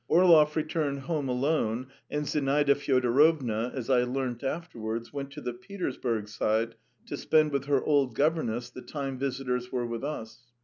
Orlov returned home alone, and Zinaida Fyodorovna, as I learnt afterwards, went to the Petersburg Side to spend with her old governess the time visitors were with us.